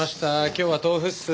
今日は豆腐っす。